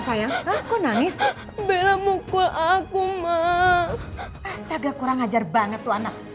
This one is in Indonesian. sayang aku nangis bela mukul aku mah astaga kurang ajar banget tuh anak